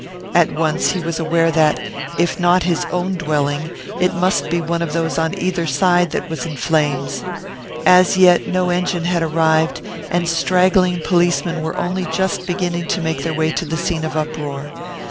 At once he was aware that, if not his own dwelling, it must be one of those on either side that was in flames. As yet no engine had arrived, and straggling policemen were only just beginning to make their way to the scene of uproar.